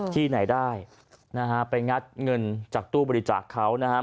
ที่ไหนได้นะฮะไปงัดเงินจากตู้บริจาคเขานะครับ